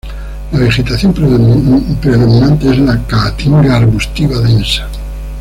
La vegetación predominante es la caatinga arbustiva densa.